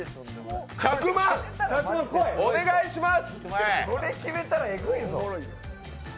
１００万、お願いします！